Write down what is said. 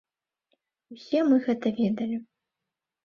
Усе мы гэта ведалі.